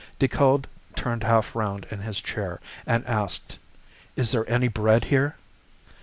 Decoud turned half round in his chair, and asked, "Is there any bread here?"